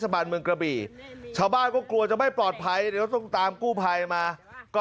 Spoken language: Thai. ป้าเล่าเครียดนะลูก